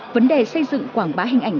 vấn đề xây dựng quảng bá hình ảnh